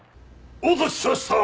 お待たせしました！